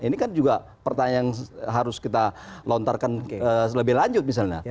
ini kan juga pertanyaan yang harus kita lontarkan lebih lanjut misalnya